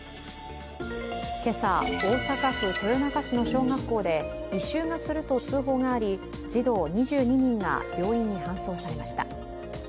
今朝、大阪府豊中市の小学校で異臭がすると通報があり児童２２人が病院に搬送されました。